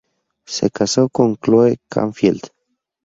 Se casó con Chloe Canfield.